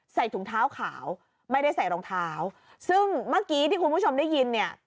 ใส่ถุงเท้าขาวไม่ได้ใส่รองเท้าซึ่งเมื่อกี้ที่คุณผู้ชมได้ยินเนี่ย